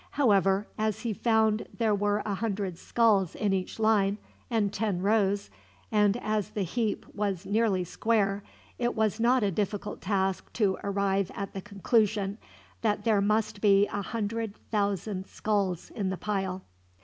However, as he found there were a hundred skulls in each line, and ten rows, and as the heap was nearly square, it was not a difficult task to arrive at the conclusion that there must be a hundred thousand skulls in the pile.